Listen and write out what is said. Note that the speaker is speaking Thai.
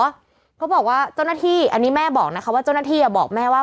เขาบอกว่าเจ้าหน้าที่อันนี้แม่บอกนะคะว่าเจ้าหน้าที่บอกแม่ว่า